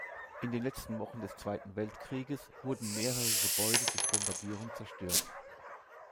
In den letzten Wochen des Zweiten Weltkrieges wurden mehrere Gebäude durch Bombardierung zerstört.